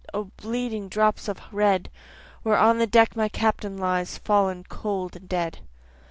O the bleeding drops of red, Where on the deck my Captain lies, Fallen cold and dead.